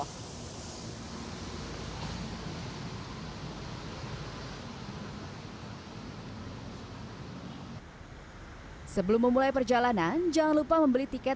hai sebelum memulai perjalanan jangan lupa membeli tiket